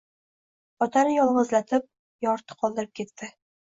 Otani yolg‘izlatib, yorti qoldirib ketdi